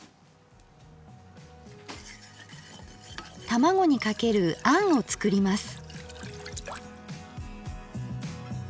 卵にかけるあんを作ります。